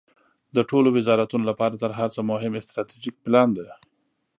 د ټولو وزارتونو لپاره تر هر څه مهم استراتیژیک پلان ده.